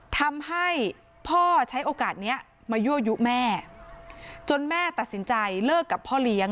ทำให้พ่อใช้โอกาสนี้มายั่วยุแม่จนแม่ตัดสินใจเลิกกับพ่อเลี้ยง